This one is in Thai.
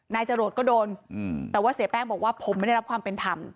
จรวดก็โดนแต่ว่าเสียแป้งบอกว่าผมไม่ได้รับความเป็นธรรม